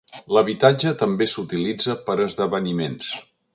L'habitatge també s'utilitza per a esdeveniments.